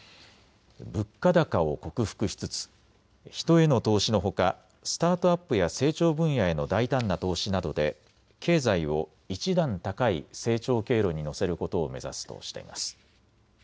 物価高を克服しつつ人への投資のほかスタートアップや成長分野への大胆な投資などで経済を一段高い成長経路に乗せることを目指すとしています。